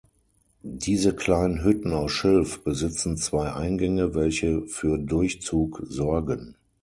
Diese kleinen Hütten aus Schilf besitzen zwei Eingänge, welche für Durchzug sorgen.